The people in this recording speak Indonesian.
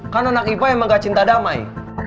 kan anak ipa emang gak cinta damai